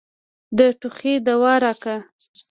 د ټوخي دوا راکه.